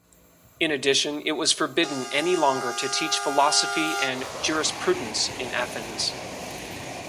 In addition, it was forbidden any longer to teach philosophy and jurisprudence in Athens.